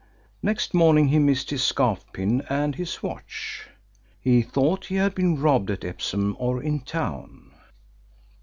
Next morning he missed his scarf pin and his watch. He thought he had been robbed at Epsom or in town.